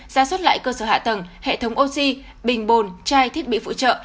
gia xuất lại cơ sở hạ tầng hệ thống oxy bình bồn chai thiết bị phụ trợ